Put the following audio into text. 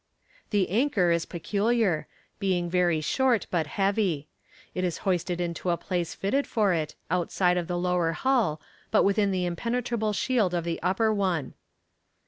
The anchor is peculiar, being very short, but heavy. It is hoisted into a place fitted for it, outside of the lower hull, but within the impenetrable shield of the upper one.